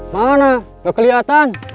mana gak kelihatan